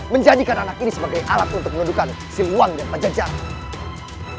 menjadikan anak ini sebagai alat untuk menundukkan siliwangi dan pencajaran